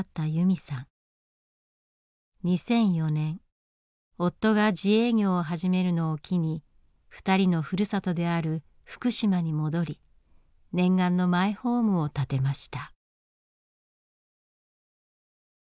２００４年夫が自営業を始めるのを機に２人のふるさとである福島に戻り念願のマイホームを建てました。